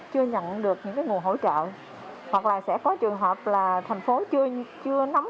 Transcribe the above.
chưa nhận được những nguồn hỗ trợ hoặc là sẽ có trường hợp là thành phố chưa nắm